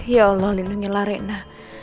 ya allah lindungilah renna